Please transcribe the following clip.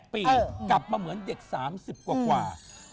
ปีกลับมาเหมือนเด็ก๓๐กว่า